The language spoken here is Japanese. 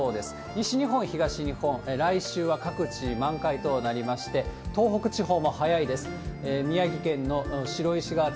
西日本、東日本、来週は各地、満開となりまして、東北地方も早いです。